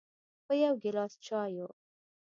په یو ګیلاس چایو